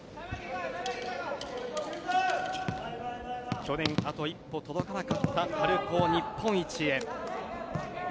去年、あと一歩届かなかった春高日本一へ。